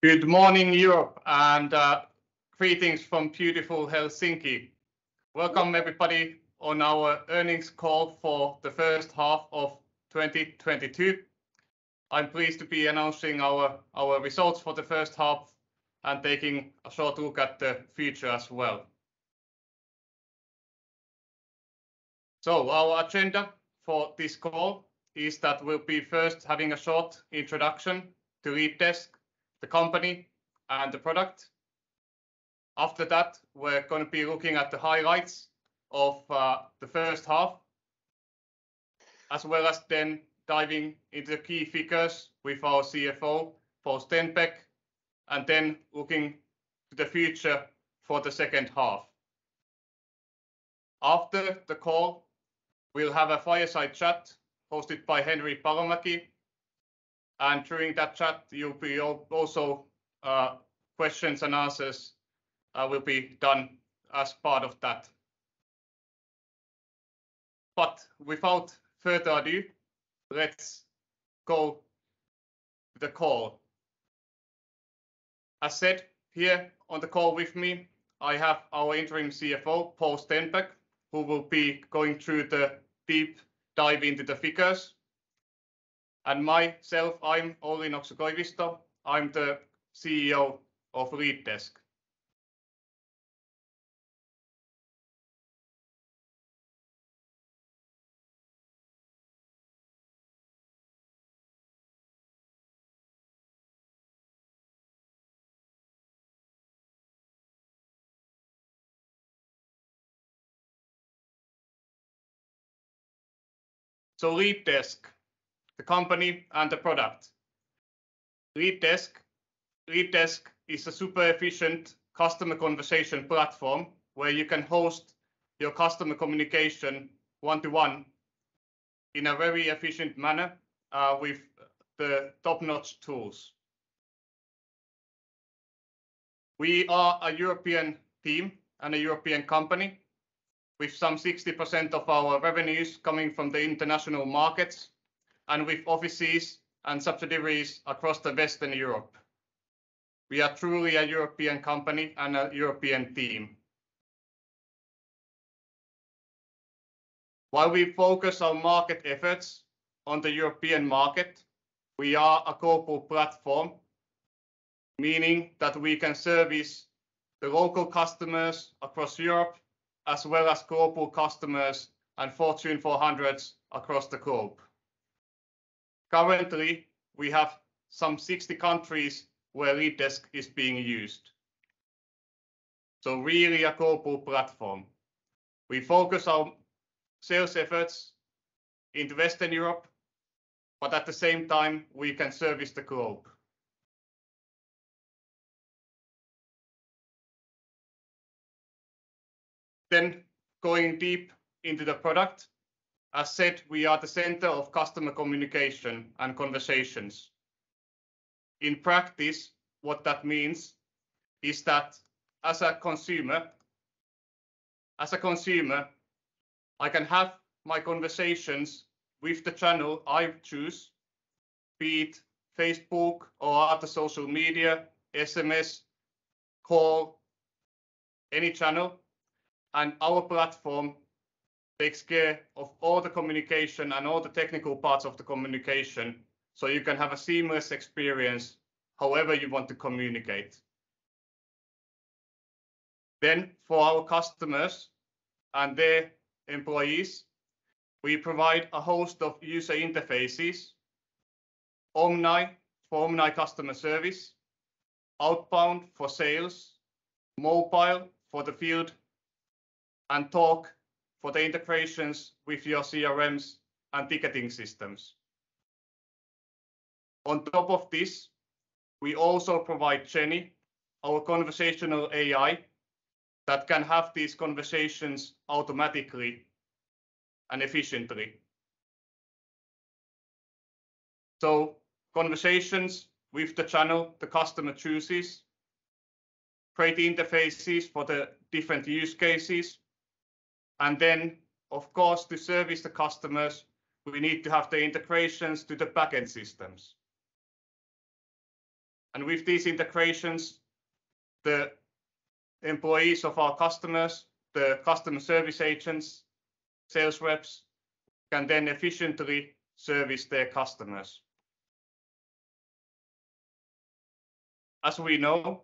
Good morning, Europe, and greetings from beautiful Helsinki. Welcome everybody on our earnings call for the first half of 2022. I'm pleased to be announcing our results for the first half and taking a short look at the future as well. Our agenda for this call is that we'll be first having a short introduction to LeadDesk, the company and the product. After that, we're gonna be looking at the highlights of the first half, as well as then diving into key figures with our CFO, Paul Stenbäck, and then looking to the future for the second half. After the call, we'll have a fireside chat hosted by Henri Palomäki, and during that chat you'll be also questions and answers will be done as part of that. Without further ado, let's go the call. I said here on the call with me, I have our interim CFO, Paul Stenbäck, who will be going through the deep dive into the figures, and myself, I'm Olli Nokso-Koivisto. I'm the CEO of LeadDesk. LeadDesk, the company and the product. LeadDesk is a super efficient customer conversation platform where you can host your customer communication one-to-one in a very efficient manner, with the top-notch tools. We are a European team and a European company with some 60% of our revenues coming from the international markets and with offices and subsidiaries across Western Europe. We are truly a European company and a European team. While we focus our market efforts on the European market, we are a global platform, meaning that we can service the local customers across Europe as well as global customers and Fortune 400s across the globe. Currently, we have some 60 countries where LeadDesk is being used, so really a global platform. We focus our sales efforts into Western Europe, but at the same time we can service the globe. Going deep into the product, I said we are the center of customer communication and conversations. In practice, what that means is that as a consumer, I can have my conversations with the channel I choose, be it Facebook or other social media, SMS, call, any channel and our platform takes care of all the communication and all the technical parts of the communication so you can have a seamless experience however you want to communicate. For our customers and their employees, we provide a host of user interfaces, Omni for omni-customer service, Outbound for sales, Mobile for the field, and Talk for the integrations with your CRMs and ticketing systems. On top of this, we also provide Jenny, our conversational AI, that can have these conversations automatically and efficiently. Conversations with the channel the customer chooses, create interfaces for the different use cases, and then, of course, to service the customers, we need to have the integrations to the backend systems. With these integrations, the employees of our customers, the customer service agents, sales reps can then efficiently service their customers. As we know,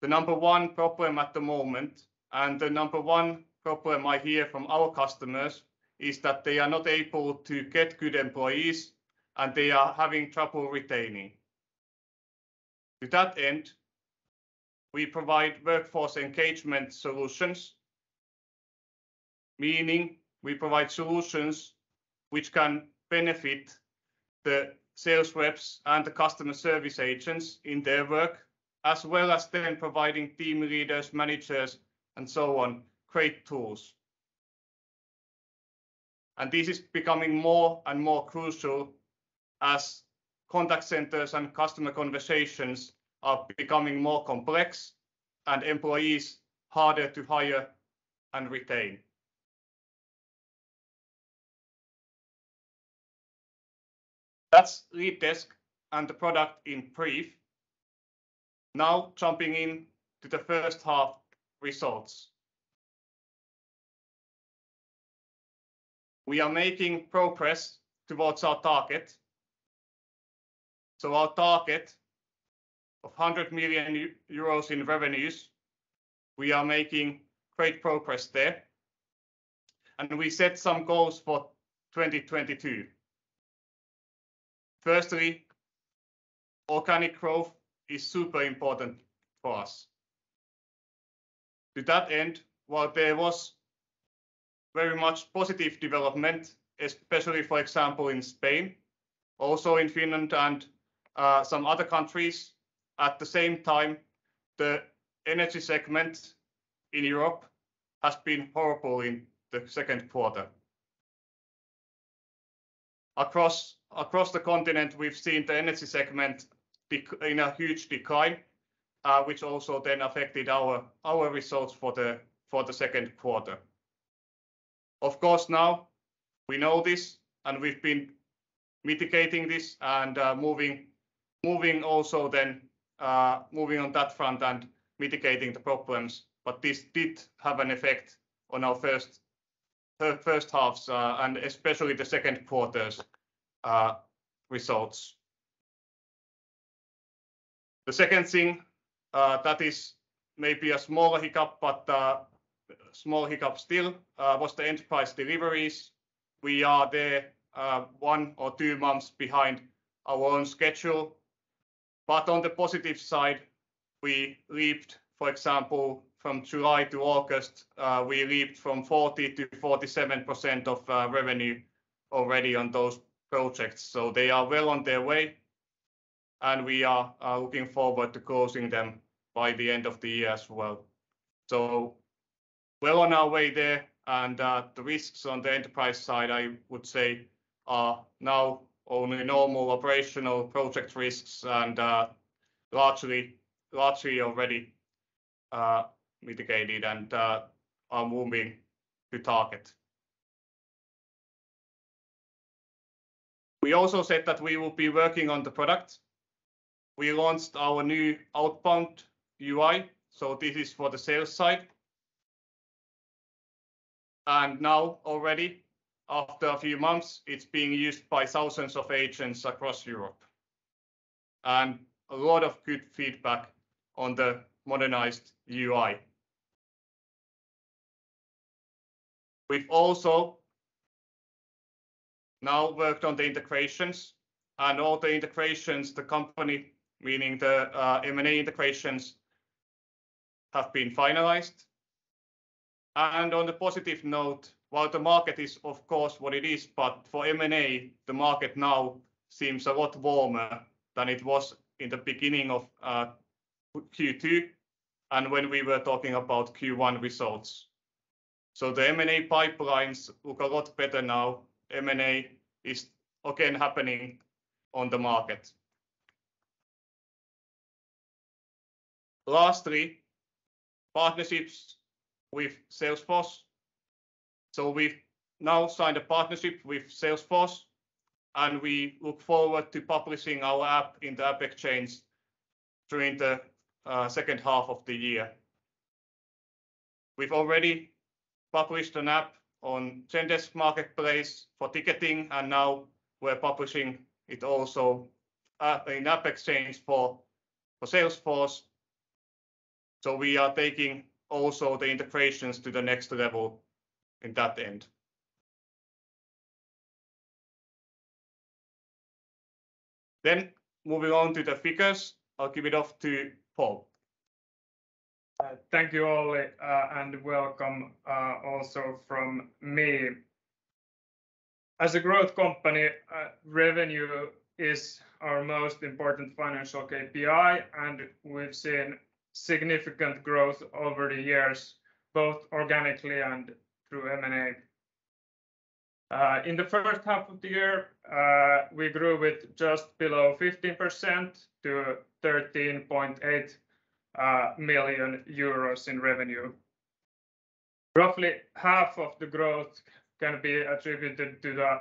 the number one problem at the moment and the number one problem I hear from our customers is that they are not able to get good employees and they are having trouble retaining. To that end, we provide workforce engagement solutions, meaning we provide solutions which can benefit the sales reps and the customer service agents in their work, as well as then providing team leaders, managers, and so on, great tools. This is becoming more and more crucial as contact centers and customer conversations are becoming more complex and employees harder to hire and retain. That's LeadDesk and the product in brief. Now jumping in to the first half results. We are making progress towards our target. Our target of 100 million euros in revenues, we are making great progress there. We set some goals for 2022. Firstly, organic growth is super important for us. To that end, while there was very much positive development, especially for example in Spain, also in Finland and some other countries, at the same time, the energy segment in Europe has been horrible in the second quarter. Across the continent, we've seen the energy segment in a huge decline, which also then affected our results for the second quarter. Of course, now we know this, and we've been mitigating this and moving on that front and mitigating the problems. This did have an effect on our first half's and especially the second quarter's results. The second thing that is maybe a smaller hiccup but a small hiccup still was the enterprise deliveries. We are there one or two months behind our own schedule. On the positive side, we leaped, for example, from July to August, from 40%-47% of revenue already on those projects. They are well on their way, and we are looking forward to closing them by the end of the year as well. Well on our way there and, the risks on the enterprise side, I would say are now only normal operational project risks and, largely already, mitigated and, are moving to target. We also said that we will be working on the product. We launched our new outbound UI, so this is for the sales side. Now already, after a few months, it's being used by thousands of agents across Europe. A lot of good feedback on the modernized UI. We've also now worked on the integrations and all the integrations the company, meaning the, M&A integrations, have been finalized. On a positive note, while the market is of course what it is, but for M&A, the market now seems a lot warmer than it was in the beginning of, Q2 and when we were talking about Q1 results. The M&A pipelines look a lot better now. M&A is again happening on the market. Lastly, partnerships with Salesforce. We've now signed a partnership with Salesforce, and we look forward to publishing our app in the AppExchange during the second half of the year. We've already published an app on Zendesk Marketplace for ticketing, and now we're publishing it also in AppExchange for Salesforce. We are taking also the integrations to the next level in that end. Moving on to the figures, I'll give it off to Paul. Thank you, Olli, and welcome also from me. As a growth company, revenue is our most important financial KPI, and we've seen significant growth over the years, both organically and through M&A. In the first half of the year, we grew with just below 15% to 13.8 million euros in revenue. Roughly half of the growth can be attributed to the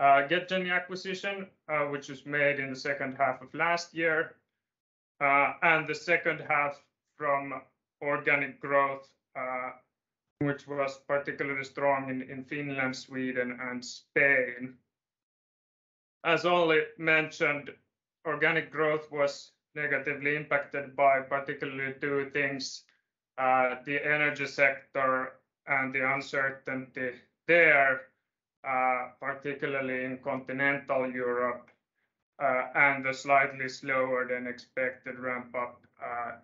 GetJenny acquisition, which was made in the second half of last year, and the second half from organic growth, which was particularly strong in Finland, Sweden and Spain. As Olli mentioned, organic growth was negatively impacted by particularly two things, the energy sector and the uncertainty there, particularly in continental Europe, and a slightly slower than expected ramp-up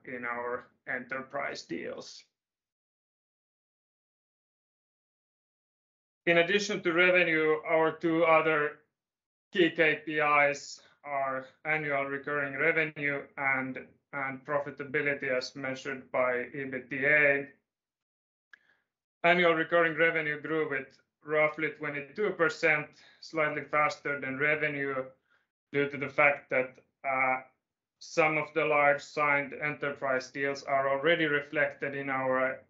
in our enterprise deals. In addition to revenue, our two other key KPIs are annual recurring revenue and profitability as measured by EBITDA. Annual recurring revenue grew with roughly 22%, slightly faster than revenue due to the fact that Some of the large signed enterprise deals are already reflected in our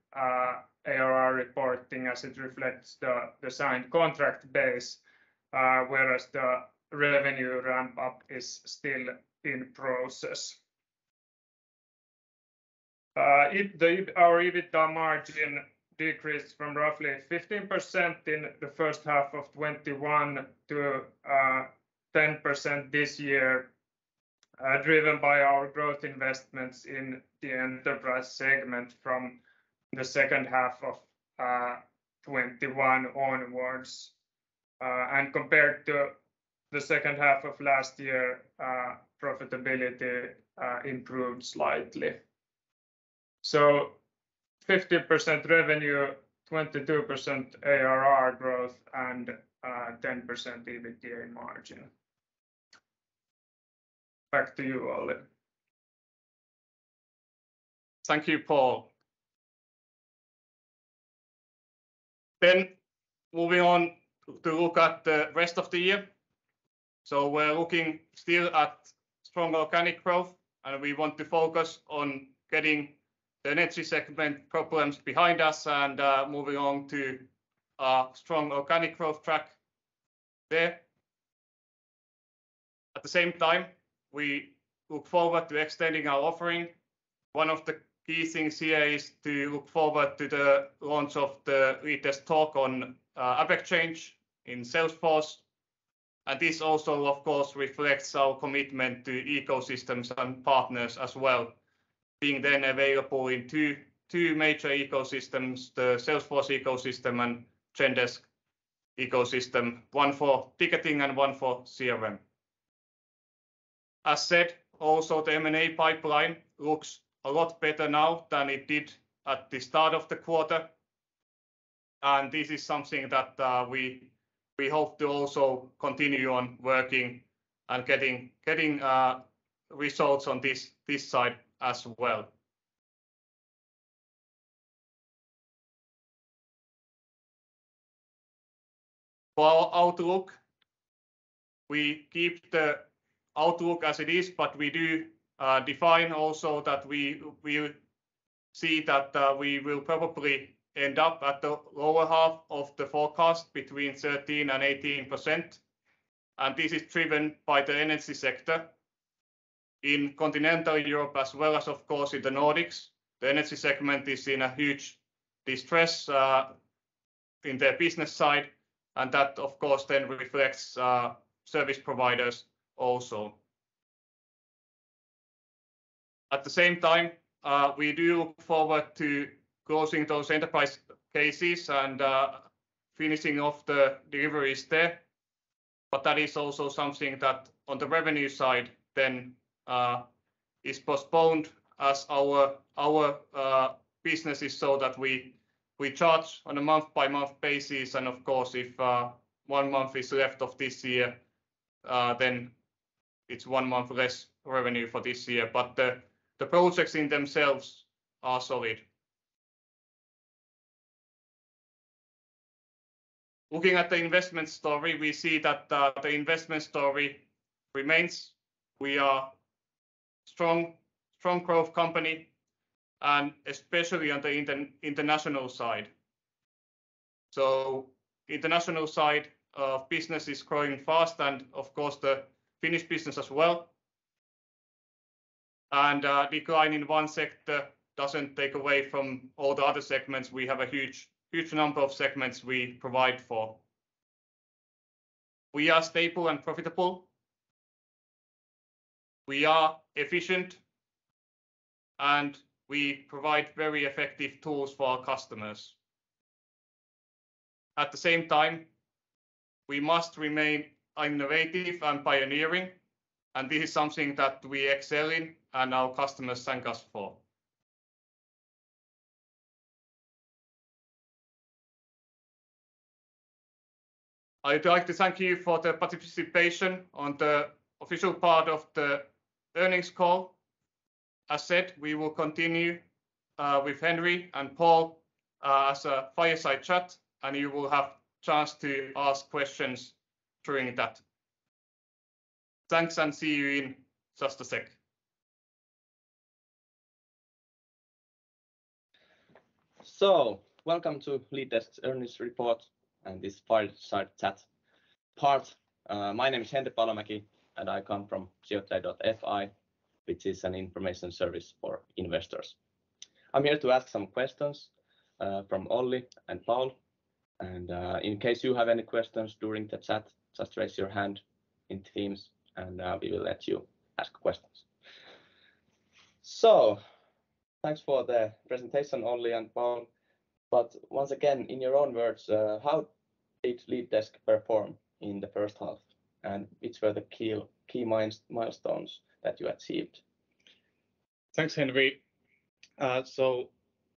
ARR reporting as it reflects the signed contract base, whereas the revenue ramp up is still in process. Our EBITDA margin decreased from roughly 15% in the first half of 2021 to 10% this year, driven by our growth investments in the enterprise segment from the second half of 2021 onwards. Compared to the second half of last year, profitability improved slightly. 50% revenue, 22% ARR growth and 10% EBITDA margin. Back to you, Olli. Thank you, Paul. Moving on to look at the rest of the year. We're looking still at strong organic growth, and we want to focus on getting the energy segment problems behind us and moving on to a strong organic growth track there. At the same time, we look forward to extending our offering. One of the key things here is to look forward to the launch of the latest talk on AppExchange in Salesforce, and this also, of course, reflects our commitment to ecosystems and partners as well. Being then available in two major ecosystems, the Salesforce ecosystem and Zendesk ecosystem, one for ticketing and one for CRM. As said, also the M&A pipeline looks a lot better now than it did at the start of the quarter, and this is something that we hope to also continue on working and getting results on this side as well. For our outlook, we keep the outlook as it is, but we do define also that we see that we will probably end up at the lower half of the forecast between 13% and 18%, and this is driven by the energy sector. In continental Europe as well as of course in the Nordics, the energy segment is in a huge distress in their business side, and that of course then reflects service providers also. At the same time, we do look forward to closing those enterprise cases and finishing off the deliveries there. That is also something that on the revenue side then is postponed as our business is so that we charge on a month-by-month basis and of course, if one month is left of this year, then it's one month less revenue for this year. The projects in themselves are solid. Looking at the investment story, we see that the investment story remains. We are strong growth company and especially on the international side. International side of business is growing fast and of course the Finnish business as well. Decline in one sector doesn't take away from all the other segments. We have a huge number of segments we provide for. We are stable and profitable. We are efficient, and we provide very effective tools for our customers. At the same time, we must remain innovative and pioneering, and this is something that we excel in and our customers thank us for. I'd like to thank you for the participation on the official part of the earnings call. As said, we will continue with Henri and Paul as a fireside chat, and you will have chance to ask questions during that. Thanks and see you in just a sec. Welcome to LeadDesk's earnings report and this fireside chat part. My name is Henri Palomäki, and I come from Sijoittaja.fi, which is an information service for investors. I'm here to ask some questions from Olli and Paul, and in case you have any questions during the chat, just raise your hand in Teams and we will let you ask questions. Thanks for the presentation, Olli and Paul, but once again, in your own words, how did LeadDesk perform in the first half and which were the key milestones that you achieved? Thanks, Henri.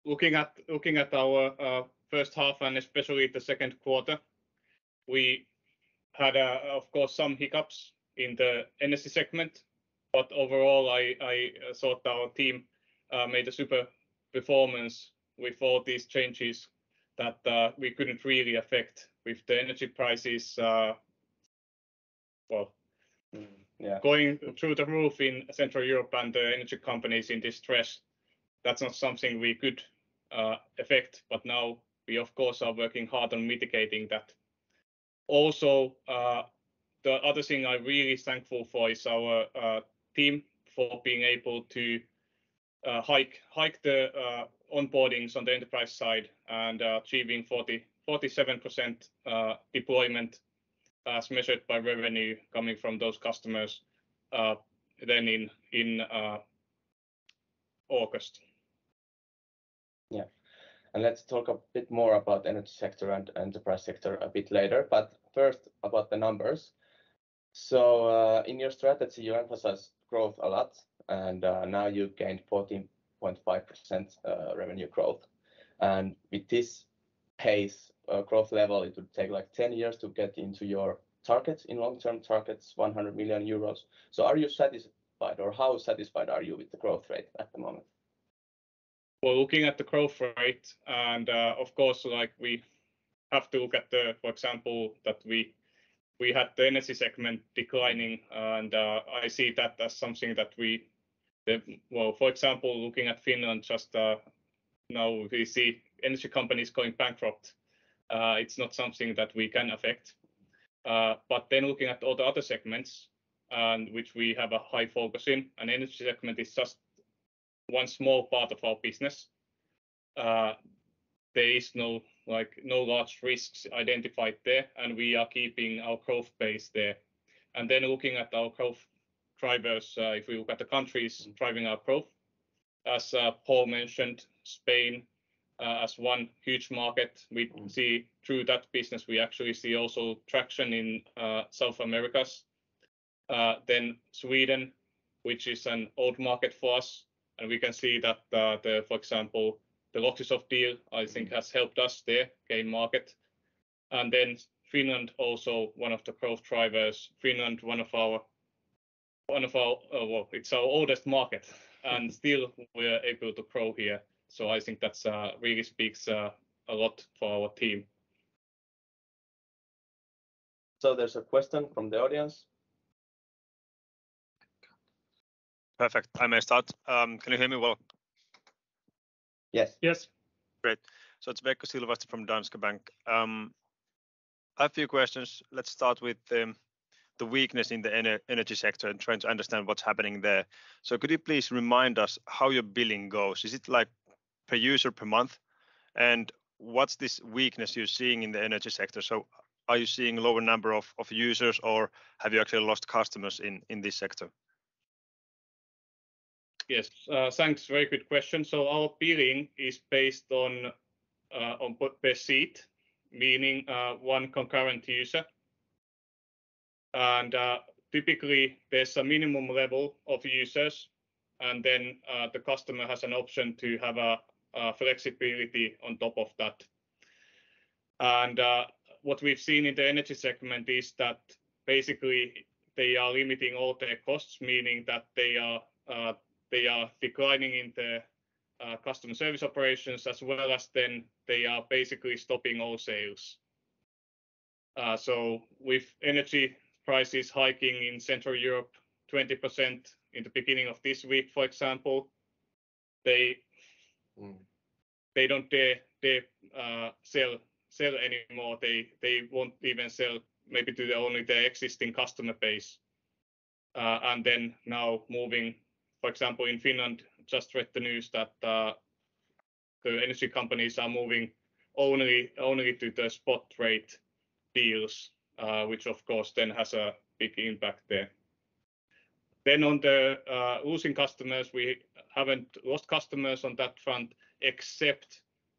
Looking at our first half and especially the second quarter, we had, of course, some hiccups in the energy segment, but overall I thought our team made a super performance with all these changes. That we couldn't really affect with the energy prices, well. Yeah. going through the roof in Central Europe and the energy companies in distress, that's not something we could affect. Now we, of course, are working hard on mitigating that. Also, the other thing I'm really thankful for is our team for being able to hike the onboardings on the enterprise side and achieving 47% deployment as measured by revenue coming from those customers then in August. Yeah. Let's talk a bit more about energy sector and enterprise sector a bit later, but first about the numbers. In your strategy you emphasize growth a lot and, now you've gained 14.5% revenue growth, and with this pace, growth level it would take like 10 years to get into your targets in long-term targets 100 million euros. Are you satisfied or how satisfied are you with the growth rate at the moment? Well, looking at the growth rate, of course, like we have to look at the, for example, that we had the energy segment declining, I see that as something that we, well for example, looking at Finland just, now we see energy companies going bankrupt. It's not something that we can affect. Looking at all the other segments which we have a high focus in, energy segment is just one small part of our business, there is, like, no large risks identified there and we are keeping our growth base there. Looking at our growth drivers, if we look at the countries driving our growth, as Paul mentioned, Spain, as one huge market. We see through that business we actually see also traction in South America. Sweden, which is an old market for us, and we can see that, for example, the Loxysoft deal I think has helped us there gain market. Finland also one of the growth drivers. Finland one of our, well, it's our oldest market and still we are able to grow here. I think that really speaks a lot for our team. There's a question from the audience. Perfect. I may start. Can you hear me well? Yes. Yes. Great. It's Veikko Silvasti from Danske Bank. I have a few questions. Let's start with the weakness in the energy sector and trying to understand what's happening there. Could you please remind us how your billing goes? Is it like per user per month? And what's this weakness you're seeing in the energy sector? Are you seeing lower number of users or have you actually lost customers in this sector? Yes. Thanks. Very good question. Our billing is based on per seat, meaning one concurrent user. Typically there's a minimum level of users and then the customer has an option to have a flexibility on top of that. What we've seen in the energy segment is that basically they are limiting all their costs, meaning that they are declining in their customer service operations as well as then they are basically stopping all sales. With energy prices hiking in Central Europe 20% in the beginning of this week, for example, they. Mm They don't sell anymore. They won't even sell maybe to only the existing customer base. Now, for example in Finland, just read the news that the energy companies are moving only to the spot rate deals, which of course then has a big impact there. On losing customers, we haven't lost customers on that front except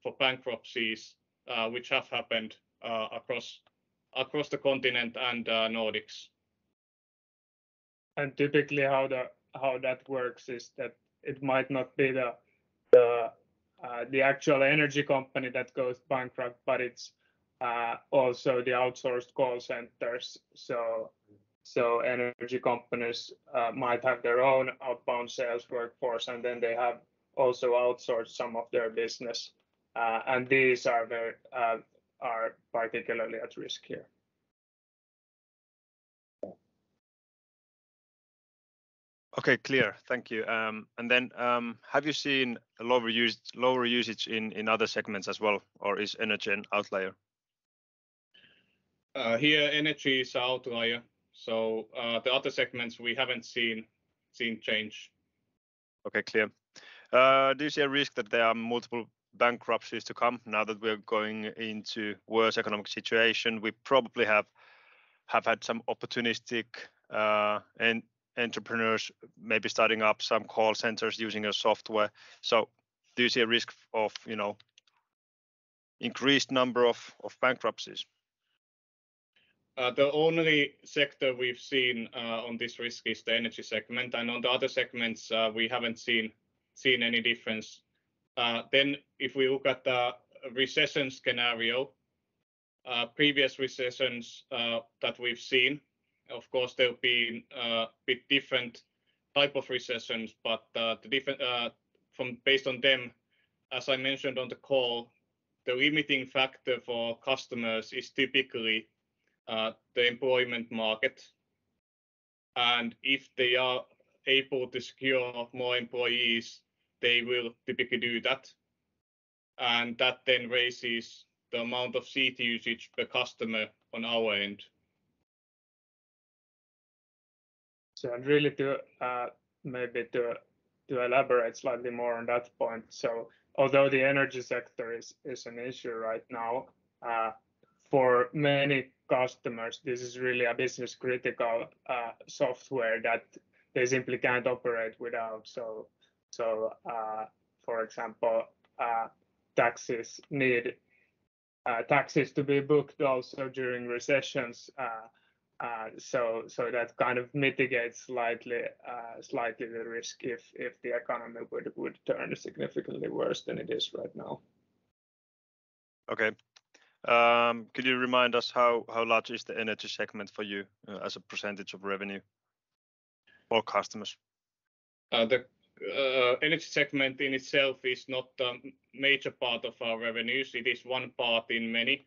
for bankruptcies, which have happened across the continent and Nordics. Typically how that works is that it might not be the actual energy company that goes bankrupt, but it's also the outsourced call centers. Energy companies might have their own outbound sales workforce, and then they have also outsourced some of their business. These are very particularly at risk here. Okay. Clear. Thank you. Have you seen a lower usage in other segments as well or is energy an outlier? Here energy is an outlier. The other segments we haven't seen change. Okay. Clear. Do you see a risk that there are multiple bankruptcies to come now that we're going into worse economic situation? We probably have had some opportunistic entrepreneurs maybe starting up some call centers using your software. Do you see a risk of, you know, increased number of bankruptcies? The only sector we've seen on this risk is the energy segment. On the other segments, we haven't seen any difference. Previous recessions that we've seen, of course, they've been a bit different type of recessions. But from, based on them, as I mentioned on the call, the limiting factor for customers is typically the employment market. If they are able to secure more employees, they will typically do that, and that then raises the amount of seat usage per customer on our end. Really, maybe to elaborate slightly more on that point. Although the energy sector is an issue right now, for many customers, this is really a business critical software that they simply can't operate without. For example, taxis need taxis to be booked also during recessions. That kind of mitigates slightly the risk if the economy would turn significantly worse than it is right now. Okay. Could you remind us how large is the energy segment for you, as a percentage of revenue or customers? The energy segment in itself is not a major part of our revenues. It is one part in many,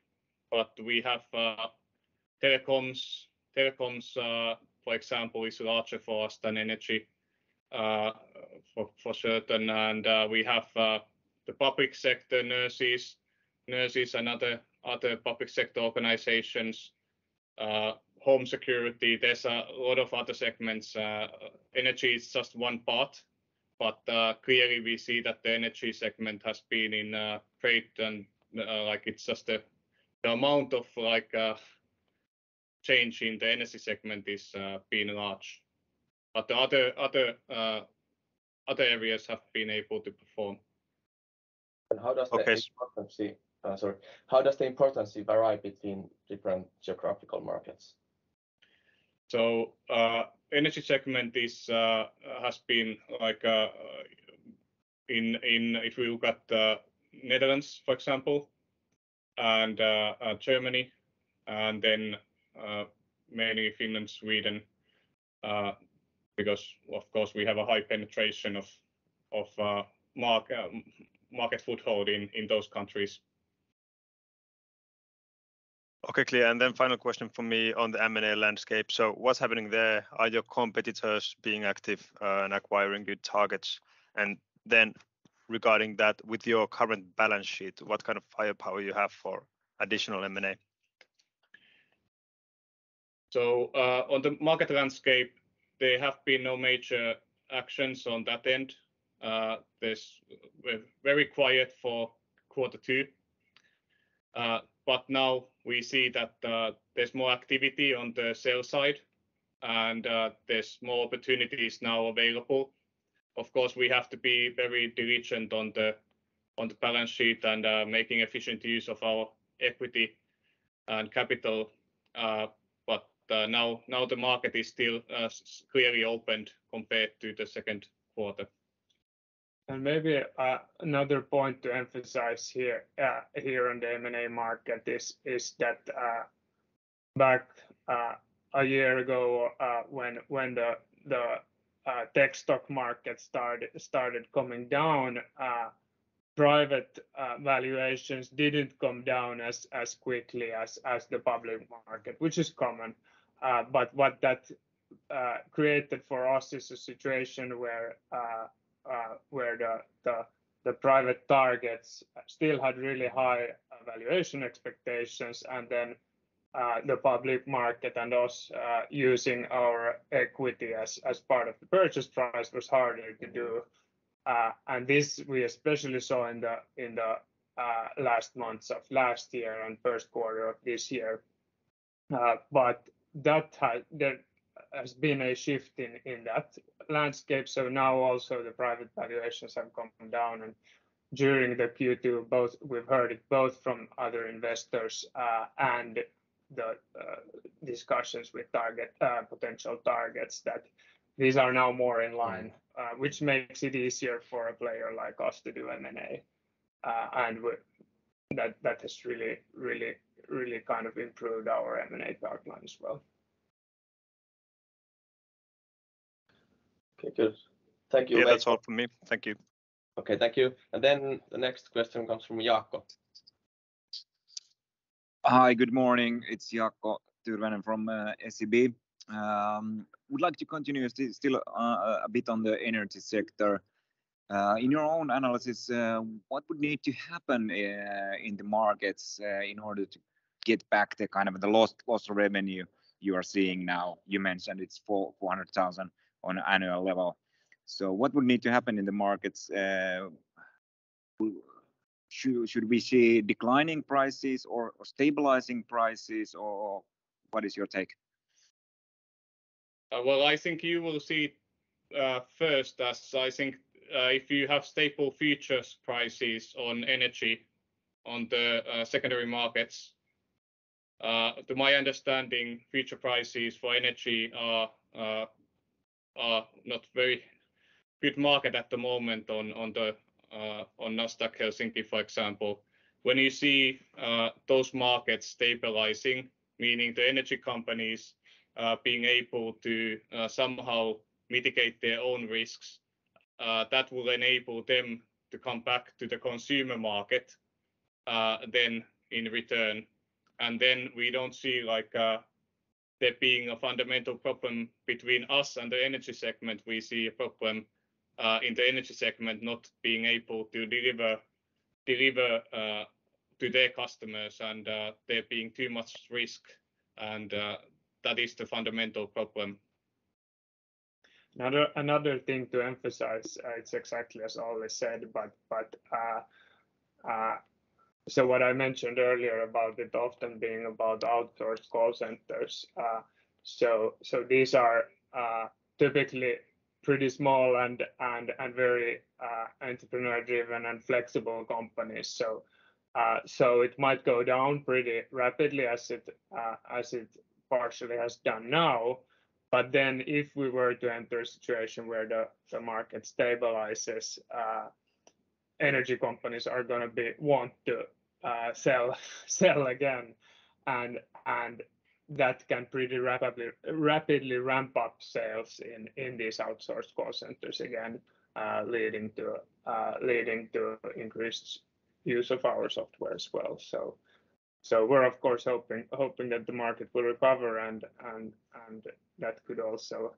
but we have telecoms. Telecoms, for example, is larger for us than energy, for certain. We have the public sector nurses and other public sector organizations, home security. There's a lot of other segments. Energy is just one part, but clearly we see that the energy segment has been great, and like it's just the amount of like change in the energy segment has been large, but the other areas have been able to perform. How does the- Okay. Sorry. How does the importance vary between different geographical markets? Energy segment has been like in. If you look at the Netherlands, for example, and Germany and then mainly Finland, Sweden, because of course we have a high penetration of market foothold in those countries. Okay. Clear. Final question from me on the M&A landscape. What's happening there? Are your competitors being active, and acquiring good targets? Regarding that, with your current balance sheet, what kind of firepower you have for additional M&A? On the market landscape, there have been no major actions on that end. We're very quiet for quarter two. Now we see that there's more activity on the sales side and there's more opportunities now available. Of course, we have to be very diligent on the balance sheet and making efficient use of our equity and capital. Now the market is still clearly open compared to the second quarter. Maybe another point to emphasize here on the M&A market is that back a year ago when the tech stock market started coming down, private valuations didn't come down as quickly as the public market, which is common. What that created for us is a situation where the private targets still had really high valuation expectations. The public market and us using our equity as part of the purchase price was harder to do. This we especially saw in the last months of last year and first quarter of this year. There has been a shift in that landscape. Now also the private valuations have come down and during the Q2 both we've heard it from other investors and the discussions with potential targets that these are now more in line, which makes it easier for a player like us to do M&A. That has really kind of improved our M&A pipeline as well. Okay, good. Thank you. Yeah. That's all from me. Thank you. Okay. Thank you. The next question comes from Jaakko. Hi. Good morning. It's Jaakko Tyrväinen from SEB. Would like to continue still a bit on the energy sector. In your own analysis, what would need to happen in the markets in order to get back the kind of the lost revenue you are seeing now? You mentioned it's 400,000 on an annual level. What would need to happen in the markets? Should we see declining prices or stabilizing prices or what is your take? Well, I think you will see, first as I think, if you have stable futures prices on energy on the secondary markets, to my understanding, future prices for energy are not a very good market at the moment on Nasdaq Helsinki, for example. When you see those markets stabilizing, meaning the energy companies being able to somehow mitigate their own risks, that will enable them to come back to the consumer market, then in return. Then we don't see like there being a fundamental problem between us and the energy segment. We see a problem in the energy segment not being able to deliver to their customers and there being too much risk and that is the fundamental problem. Another thing to emphasize. It's exactly as Olli said, but so what I mentioned earlier about it often being about outsourced call centers, so these are typically pretty small and very entrepreneur-driven and flexible companies. It might go down pretty rapidly as it partially has done now. If we were to enter a situation where the market stabilizes, energy companies want to sell again, and that can pretty rapidly ramp up sales in these outsourced call centers again, leading to increased use of our software as well. We're of course hoping that the market will recover and that could also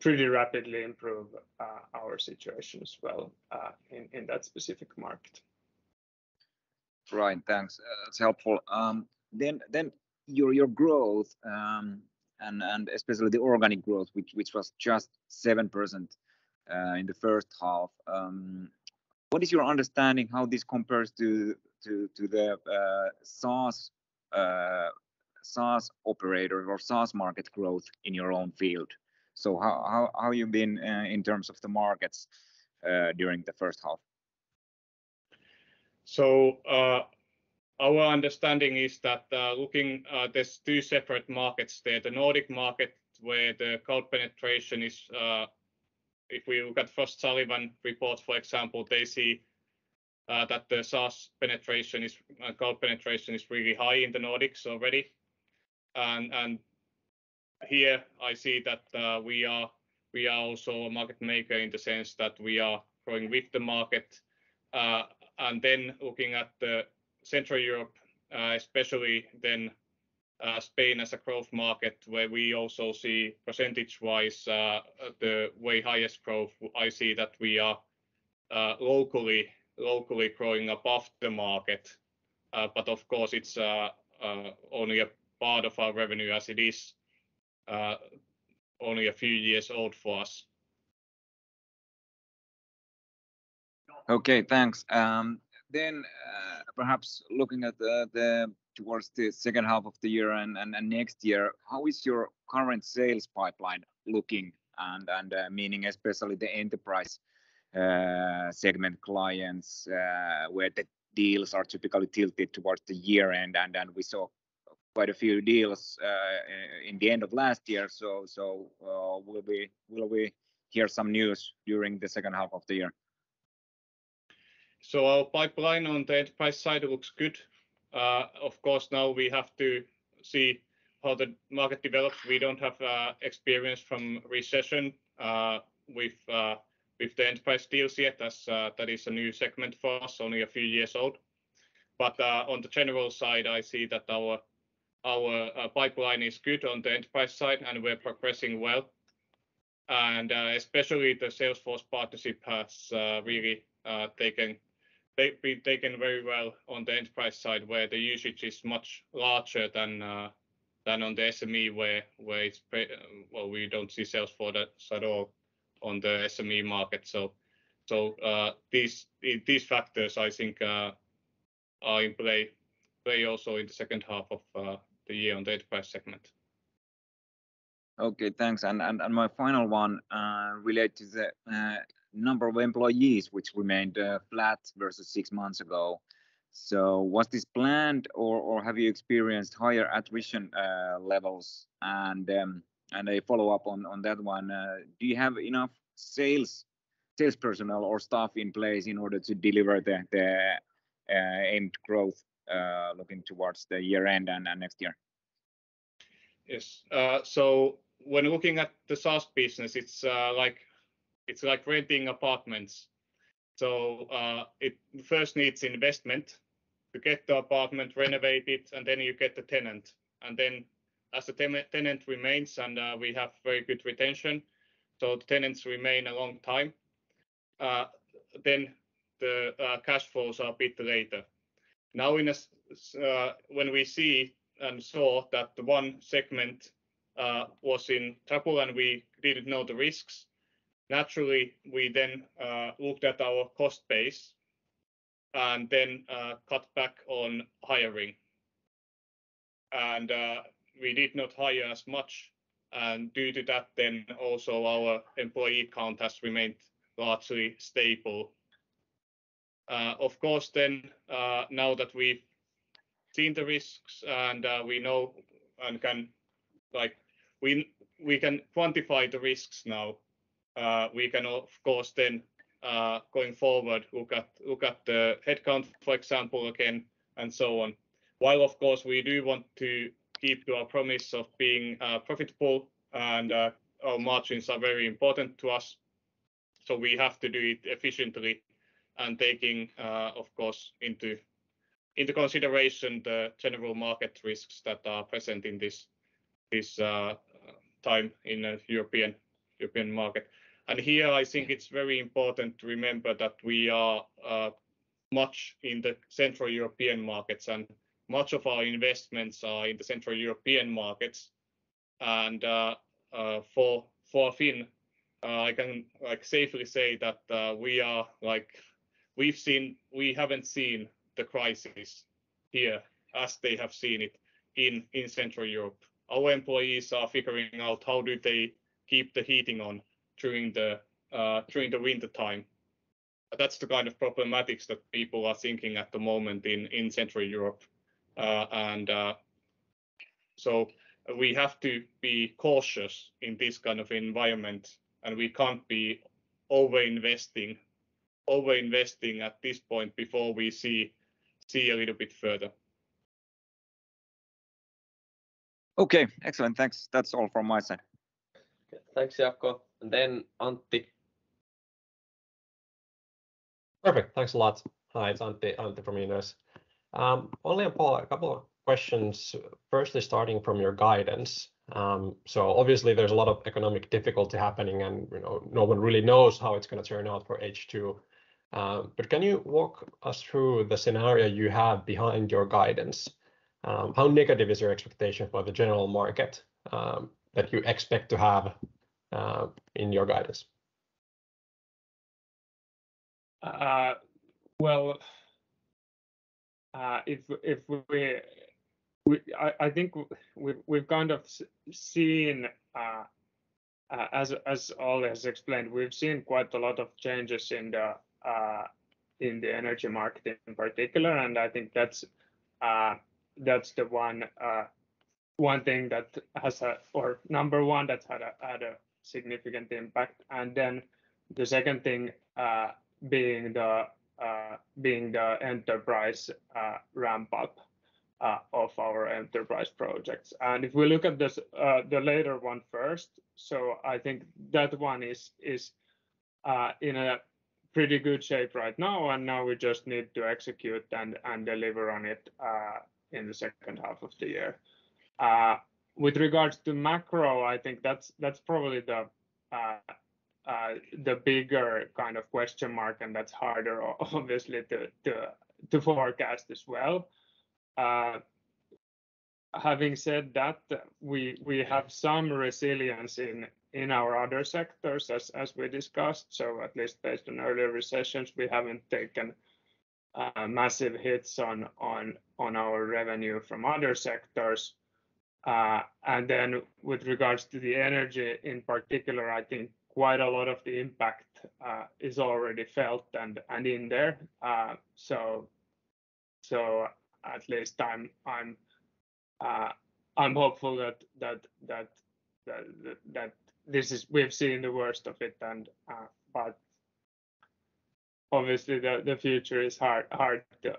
pretty rapidly improve our situation as well in that specific market. Right. Thanks. That's helpful. Your growth, and especially the organic growth, which was just 7%, in the first half. What is your understanding how this compares to the SaaS operator or SaaS market growth in your own field? How you been, in terms of the markets, during the first half? Our understanding is that there's two separate markets there. The Nordic market where the cloud penetration is. If we look at Frost & Sullivan report, for example, they see that the SaaS penetration is, cloud penetration is really high in the Nordics already. Here I see that we are also a market maker in the sense that we are growing with the market. Looking at Central Europe, especially then, Spain as a growth market where we also see percentage-wise, the highest growth. I see that we are locally growing above the market. Of course it's only a part of our revenue as it is only a few years old for us. Okay, thanks. Perhaps looking towards the second half of the year and next year, how is your current sales pipeline looking? Meaning especially the enterprise segment clients, where the deals are typically tilted towards the year end, and then we saw quite a few deals in the end of last year. Will we hear some news during the second half of the year? Our pipeline on the enterprise side looks good. Of course, now we have to see how the market develops. We don't have experience from recession with the enterprise deals yet, as that is a new segment for us, only a few years old. On the general side, I see that our pipeline is good on the enterprise side and we're progressing well. Especially the Salesforce partnership has really been taken very well on the enterprise side where the usage is much larger than on the SME where we don't see Salesforce at all on the SME market. These factors I think are in play also in the second half of the year on the enterprise segment. Okay, thanks. My final one relate to the number of employees which remained flat versus six months ago. Was this planned or have you experienced higher attrition levels? A follow-up on that one, do you have enough sales personnel or staff in place in order to deliver the aimed growth looking towards the year end and next year? Yes. When looking at the SaaS business, it's like, it's like renting apartments. It first needs investment to get the apartment renovated, and then you get the tenant, and then as the tenant remains and we have very good retention, so the tenants remain a long time, then the cash flows are a bit later. Now, when we see and saw that the energy segment was in trouble and we didn't know the risks, naturally, we looked at our cost base and then cut back on hiring. We did not hire as much, and due to that then also our employee count has remained largely stable. Of course, now that we've seen the risks and we know and can, like, we can quantify the risks now. We can of course then going forward look at the headcount, for example, again and so on. While of course we do want to keep to our promise of being profitable and our margins are very important to us, so we have to do it efficiently and taking of course into consideration the general market risks that are present in this time in the European market. Here I think it's very important to remember that we are much in the central European markets and much of our investments are in the central European markets and for Finland I can like safely say that we are like we've seen. We haven't seen the crisis here as they have seen it in central Europe. Our employees are figuring out how do they keep the heating on during the winter time. That's the kind of problematics that people are thinking at the moment in Central Europe. We have to be cautious in this kind of environment, and we can't be over-investing at this point before we see a little bit further. Okay. Excellent. Thanks. That's all from my side. Thanks, Jaakko. Antti. Perfect. Thanks a lot. Hi, it's Antti. Antti from Inderes. Only a couple of questions. Firstly, starting from your guidance. Obviously there's a lot of economic difficulty happening and, you know, no one really knows how it's gonna turn out for H2. Can you walk us through the scenario you have behind your guidance? How negative is your expectation for the general market, that you expect to have, in your guidance? I think we've kind of seen, as Olli has explained, we've seen quite a lot of changes in the energy market in particular. I think that's the one thing. Or number one that's had a significant impact. Then the second thing being the enterprise ramp-up of our enterprise projects. If we look at this, the latter one first, so I think that one is in a pretty good shape right now, and now we just need to execute and deliver on it in the second half of the year. With regards to macro, I think that's probably the bigger kind of question mark, and that's harder, obviously, to forecast as well. Having said that, we have some resilience in our other sectors as we discussed. At least based on earlier recessions, we haven't taken massive hits on our revenue from other sectors. Then with regards to the energy in particular, I think quite a lot of the impact is already felt and in there. At least I'm hopeful that that this is. We've seen the worst of it and but obviously the future is hard to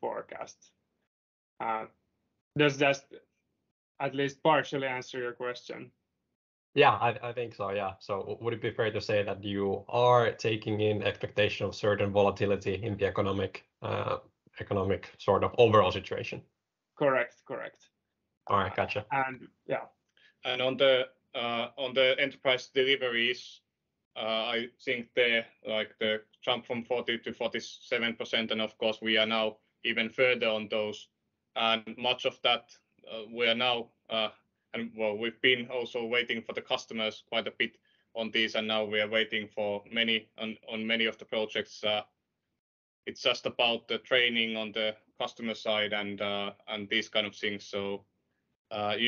forecast. Does that at least partially answer your question? Yeah, I think so, yeah. Would it be fair to say that you are taking in expectation of certain volatility in the economic sort of overall situation? Correct. Correct. All right. Gotcha. Yeah. On the enterprise deliveries, I think, like, the jump from 40%-47%, and of course we are now even further on those. Much of that, we've been also waiting for the customers quite a bit on this, and now we are waiting for many on many of the projects. It's just about the training on the customer side and these kind of things. They are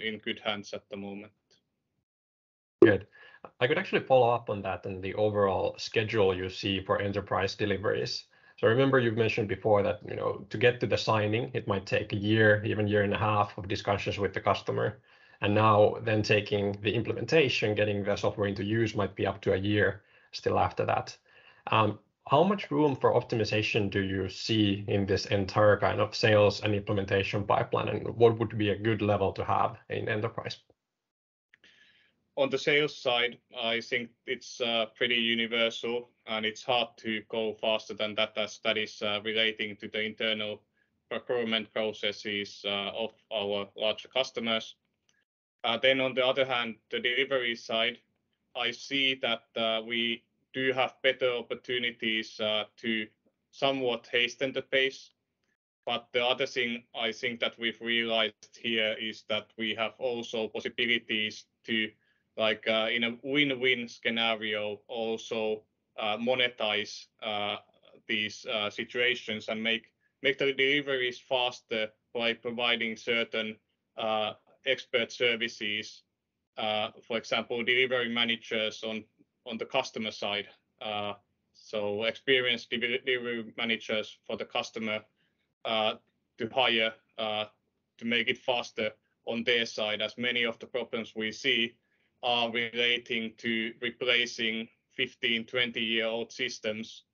in good hands at the moment. Good. I could actually follow up on that and the overall schedule you see for enterprise deliveries. Remember you've mentioned before that, you know, to get to the signing, it might take a year, even a year and a half of discussions with the customer. Now then taking the implementation, getting the software into use might be up to a year still after that. How much room for optimization do you see in this entire kind of sales and implementation pipeline? What would be a good level to have in enterprise? On the sales side, I think it's pretty universal, and it's hard to go faster than that as that is relating to the internal procurement processes of our larger customers. On the other hand, the delivery side, I see that we do have better opportunities to somewhat hasten the pace. The other thing I think that we've realized here is that we have also possibilities to, like, in a win-win scenario also monetize these situations and make the deliveries faster by providing certain expert services. For example, delivery managers on the customer side. Experienced delivery managers for the customer to hire to make it faster on their side. As many of the problems we see are relating to replacing 15-, 20-year-old systems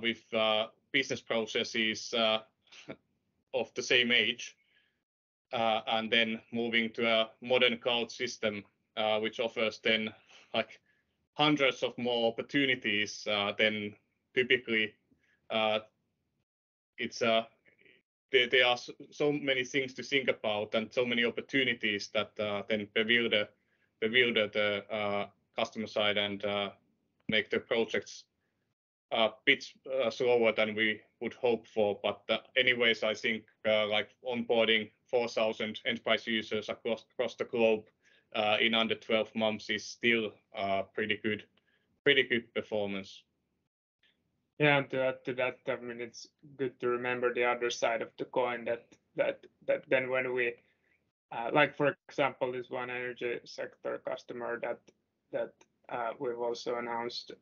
with business processes of the same age and then moving to a modern cloud system, which offers then, like, hundreds of more opportunities than typically. There are so many things to think about and so many opportunities that then bewilder the customer side and make the projects a bit slower than we would hope for. Anyways, I think, like, onboarding 4,000 enterprise users across the globe in under 12 months is still pretty good performance. Yeah. To add to that, I mean, it's good to remember the other side of the coin that then when we like for example, this one energy sector customer that we've also announced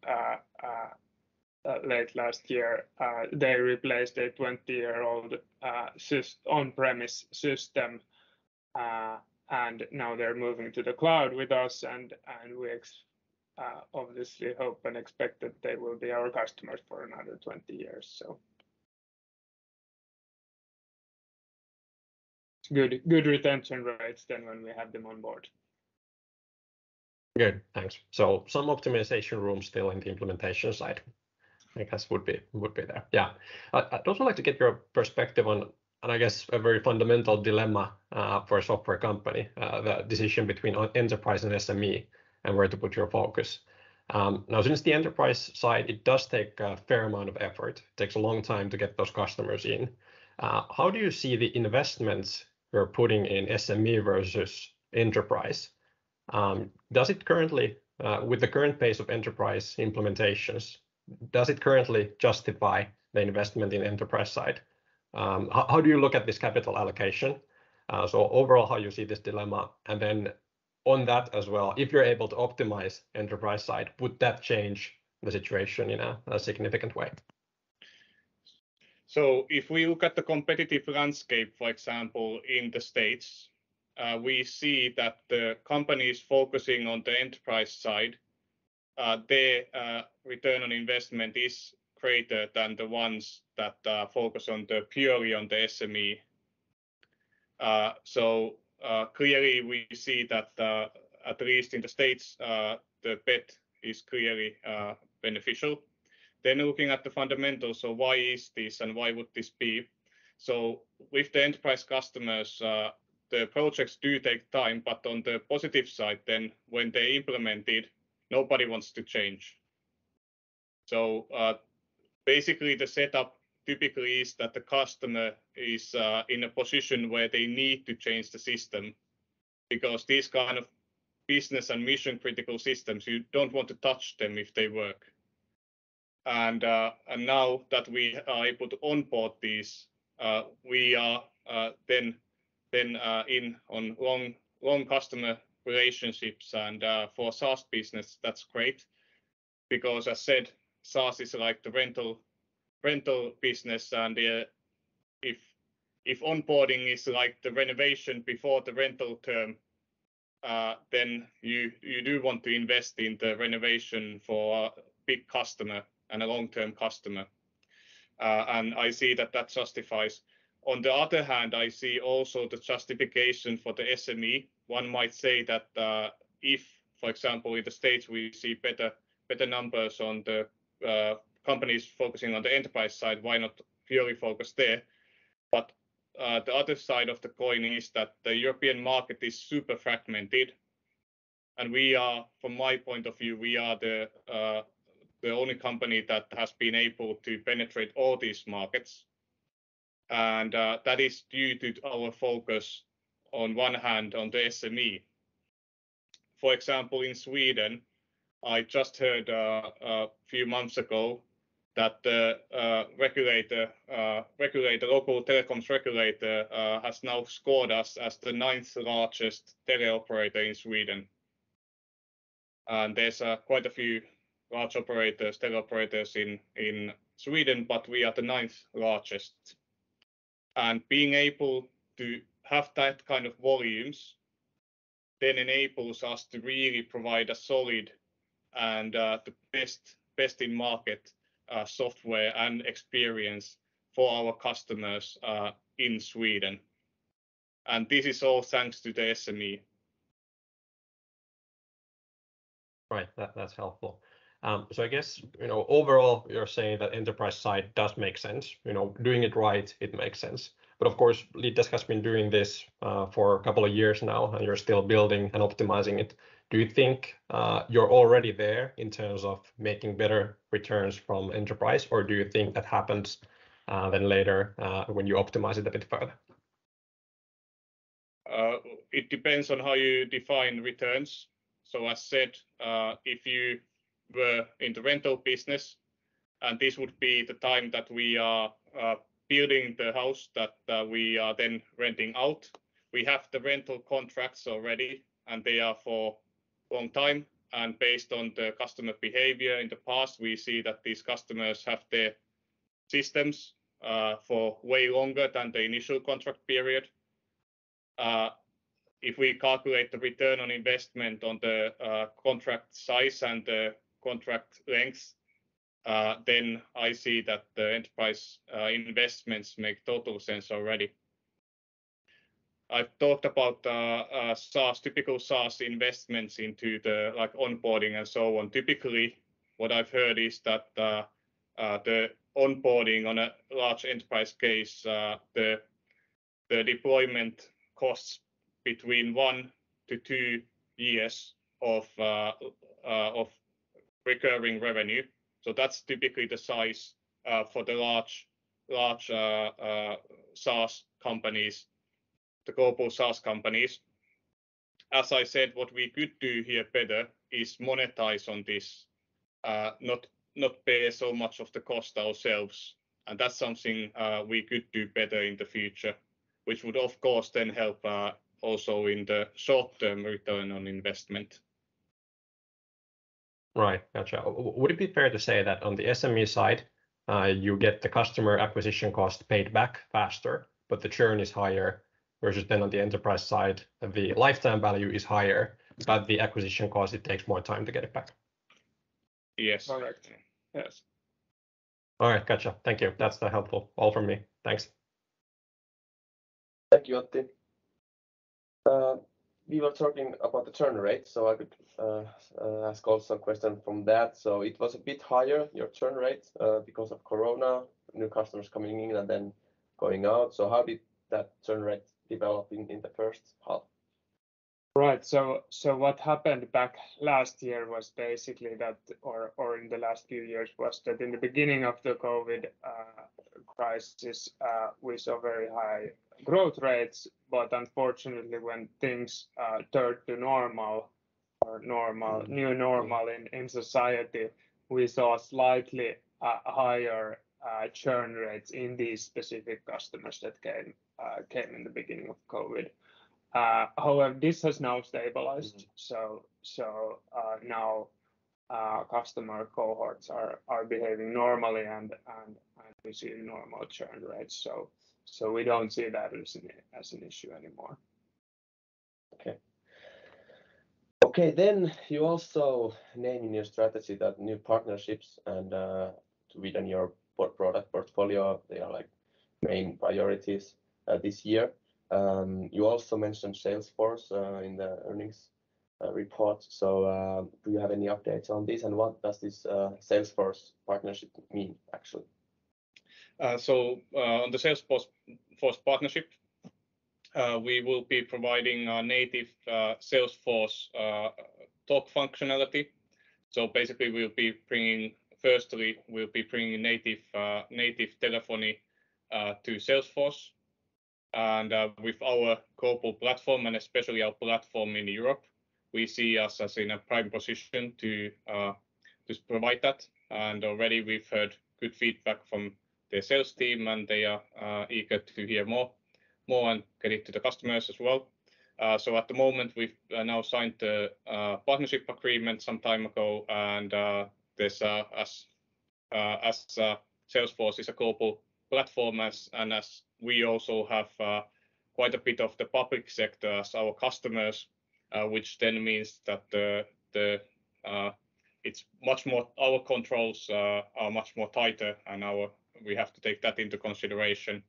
late last year. They replaced a 20-year-old on-premise system. Now they're moving to the cloud with us, and we obviously hope and expect that they will be our customers for another 20 years. Good retention rates then when we have them on board. Good. Thanks. Some optimization room still in the implementation side I guess would be there. Yeah. I'd also like to get your perspective on I guess a very fundamental dilemma for a software company. The decision between enterprise and SME and where to put your focus. Now since the enterprise side, it does take a fair amount of effort. It takes a long time to get those customers in. How do you see the investments you're putting in SME versus enterprise? Does it currently with the current pace of enterprise implementations justify the investment in enterprise side? How do you look at this capital allocation? Overall, how you see this dilemma? On that as well, if you're able to optimize enterprise side, would that change the situation in a significant way? If we look at the competitive landscape, for example, in the States, we see that the companies focusing on the enterprise side, their return on investment is greater than the ones that focus purely on the SME. Clearly we see that, at least in the States, the bet is clearly beneficial. Looking at the fundamentals, why is this and why would this be? With the enterprise customers, the projects do take time, but on the positive side then, when they implement it, nobody wants to change. Basically the setup typically is that the customer is in a position where they need to change the system because these kind of business and mission-critical systems, you don't want to touch them if they work. Now that we are able to onboard these, we are then in on long customer relationships. For SaaS business, that's great because as said, SaaS is like the rental business. If onboarding is like the renovation before the rental term, then you do want to invest in the renovation for a big customer and a long-term customer. I see that justifies. On the other hand, I see also the justification for the SME. One might say that if, for example, in the States we see better numbers on the companies focusing on the enterprise side, why not purely focus there? The other side of the coin is that the European market is super fragmented, and we are, from my point of view, the only company that has been able to penetrate all these markets. That is due to our focus on one hand on the SME. For example, in Sweden, I just heard a few months ago that the local telecoms regulator has now scored us as the ninth largest teleoperator in Sweden. There's quite a few large operators, teleoperators in Sweden, but we are the ninth largest. Being able to have that kind of volumes then enables us to really provide a solid and the best in market software and experience for our customers in Sweden. This is all thanks to the SME. Right. That's helpful. I guess, you know, overall you're saying that enterprise side does make sense. You know, doing it right, it makes sense. Of course, LeadDesk has been doing this, for a couple of years now, and you're still building and optimizing it. Do you think, you're already there in terms of making better returns from enterprise, or do you think that happens, then later, when you optimize it a bit further? It depends on how you define returns. As said, if you were in the rental business, and this would be the time that we are building the house that we are then renting out. We have the rental contracts already and they are for long time and based on the customer behavior in the past, we see that these customers have their systems for way longer than the initial contract period. If we calculate the return on investment on the contract size and the contract length, then I see that the enterprise investments make total sense already. I've talked about SaaS, typical SaaS investments into the, like, onboarding and so on. Typically, what I've heard is that the onboarding on a large enterprise case, the deployment costs between one to two years of recurring revenue. That's typically the size for the large SaaS companies, the global SaaS companies. As I said, what we could do here better is monetize on this, not pay so much of the cost ourselves. That's something we could do better in the future, which would of course then help also in the short-term return on investment. Right. Gotcha. Would it be fair to say that on the SME side, you get the customer acquisition cost paid back faster, but the churn is higher, versus then on the enterprise side, the lifetime value is higher, but the acquisition cost, it takes more time to get it back? Yes. Correct. Yes. All right. Gotcha. Thank you. That's helpful. All from me. Thanks. Thank you, Olli. We were talking about the churn rate, so I could ask also a question from that. It was a bit higher, your churn rate, because of Corona, new customers coming in and then going out. How did that churn rate develop in the first half? Right. What happened in the last few years was that in the begining of the COVID crisis, we saw very high growth rates. Unfortunately, when things turned to normal. Mm-hmm New normal in society, we saw slightly higher churn rates in these specific customers that came in the beginning of COVID. However, this has now stabilized. Mm-hmm. Now, customer cohorts are behaving normally and we see normal churn rates. We don't see that as an issue anymore. Okay, you also name in your strategy that new partnerships and to widen your product portfolio, they are like main priorities this year. You also mentioned Salesforce in the earnings report. Do you have any updates on this and what does this Salesforce partnership mean actually? On the Salesforce partnership, we will be providing a native Salesforce talk functionality. Firstly, we'll be bringing native telephony to Salesforce. With our global platform and especially our platform in Europe, we see us as in a prime position to provide that. Already we've heard good feedback from the sales team, and they are eager to hear more and get it to the customers as well. At the moment, we've now signed the partnership agreement some time ago, and as Salesforce is a global platform, and as we also have quite a bit of the public sector as our customers, which then means that it's much more. Our controls are much more tighter. We have to take that into consideration.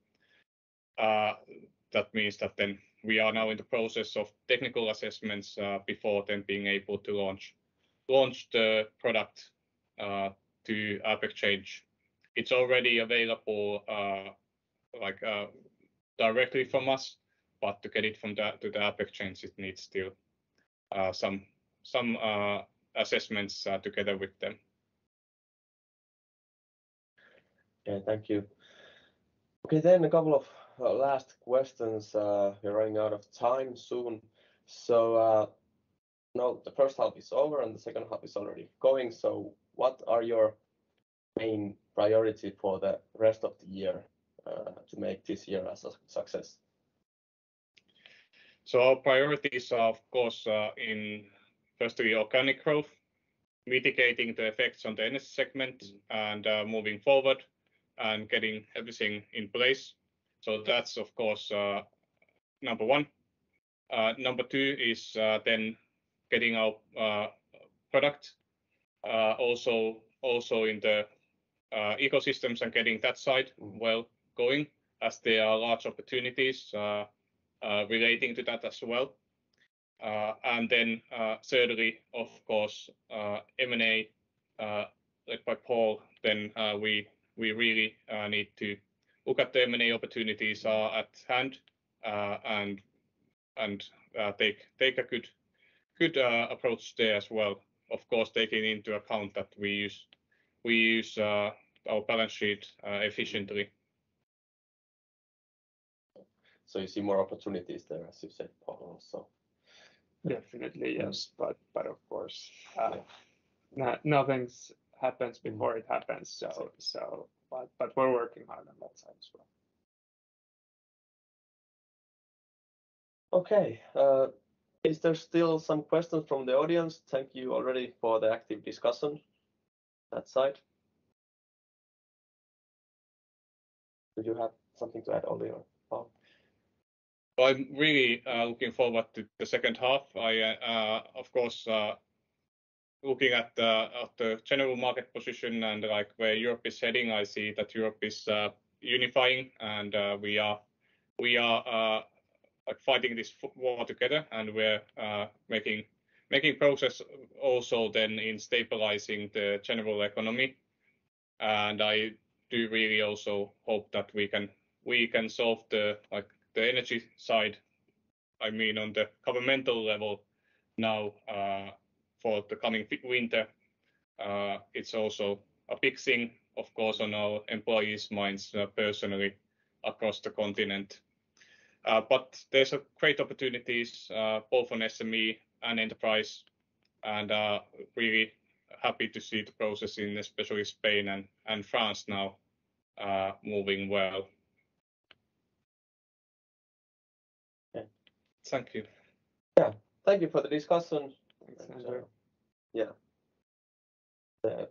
That means that then we are now in the process of technical assessments before then being able to launch the product to AppExchange. It's already available, like, directly from us, but to get it to the AppExchange, it needs still some assessments together with them. Okay. Thank you. Okay, then a couple of last questions. We're running out of time soon. Now the first half is over and the second half is already going. What are your main priority for the rest of the year to make this year a success? Our priorities are of course in firstly organic growth, mitigating the effects on the energy segment and moving forward and getting everything in place. That's of course number one. Number two is then getting our product also in the ecosystems and getting that side well going as there are large opportunities relating to that as well. Thirdly, of course, M&A led by Paul, then we really need to look at the M&A opportunities at hand and take a good approach there as well. Of course, taking into account that we use our balance sheet efficiently. You see more opportunities there, as you said, Paul, also? Definitely, yes. Of course. Yeah Nothing happens before it happens. Exactly. We're working on them outside as well. Okay. Is there still some questions from the audience? Thank you already for the active discussion. That side. Did you have something to add, Olli or Paul? Well, I'm really looking forward to the second half. I, of course, looking at the general market position and, like, where Europe is heading, I see that Europe is unifying and we are like fighting this war together and we're making progress also then in stabilizing the general economy. I do really also hope that we can solve the energy side, I mean, on the governmental level now for the coming winter. It's also a big thing, of course, on our employees' minds personally across the continent. There's a great opportunities both on SME and enterprise, and really happy to see the process in especially Spain and France now moving well. Yeah. Thank you. Yeah. Thank you for the discussion. Thanks, Antti. Yeah.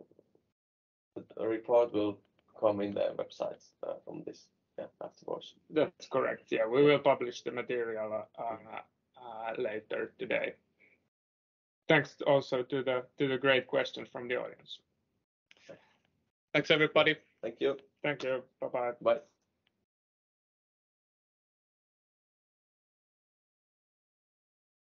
The report will come in the websites from this, yeah, afterwards. That's correct. Yeah, we will publish the material later today. Thanks also to the great questions from the audience. Sure. Thanks, everybody. Thank you. Thank you. Bye-bye. Bye.